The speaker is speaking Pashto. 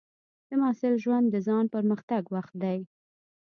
د محصل ژوند د ځان پرمختګ وخت دی.